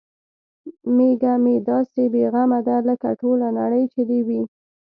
میږه مې داسې بې غمه ده لکه ټوله نړۍ چې د دې وي.